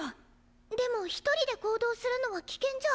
でも１人で行動するのは危険じゃ。